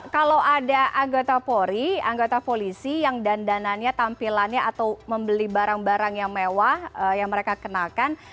kalau ada anggota polri anggota polisi yang dandanannya tampilannya atau membeli barang barang yang mewah yang mereka kenakan